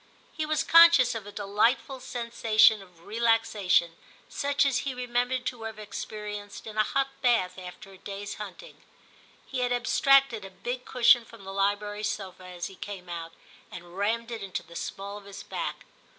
He was conscious of a delightful sensation of relaxation, such as he remem bered to have experienced in a hot bath after a day's hunting; he had abstracted a big cushion from the library sofa as he came out, and rammed it into the small of his back.